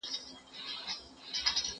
زه به د هنرونو تمرين کړی وي!.